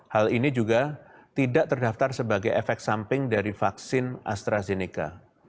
hal ini juga tidak terdaftar sebagai efek samping dari vaksin astrazeneca